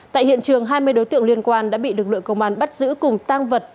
tại hiện trường hai mươi đối tượng liên quan đã bị lực lượng công an bắt giữ cùng tăng vật